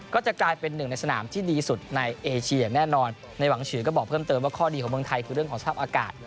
ก็จะกลายเป็นหนึ่งในสนามที่ดีสุดในเอเชียอย่างแน่นอนในหวังฉือก็บอกเพิ่มเติมว่าข้อดีของเมืองไทยคือเรื่องของสภาพอากาศ